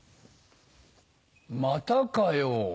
またかよ。